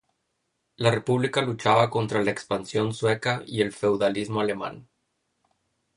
La República luchaba contra la expansión sueca y el feudalismo alemán.